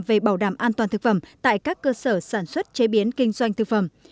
về bảo đảm an toàn thực phẩm tại các cơ sở sản xuất chế biến kinh doanh thực phẩm